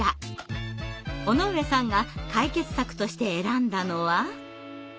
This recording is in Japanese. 尾上さんが解決策として選んだのは。